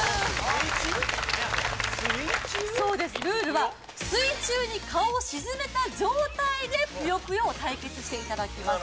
そうですルールは水中に顔を沈めた状態でぷよぷよを対決していただきます